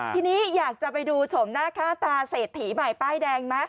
ทีนี้อยากจะไปดูสมตาเศรษฐีใหม่ป้ายแดง